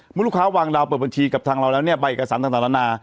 เมื่อลูกค้าวางดาวเปิดบัญชีกับทางเราแล้วเนี่ยใบเอกสารต่างนานา